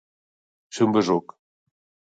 Ser un besuc.